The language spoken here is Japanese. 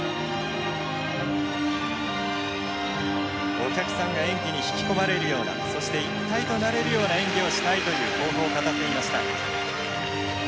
お客さんが演技に引き込まれるようなそして一体となれるような演技をしたいという抱負を語っていました。